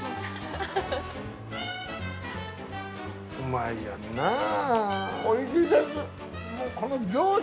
うまいやんなあ。